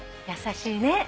優しいね。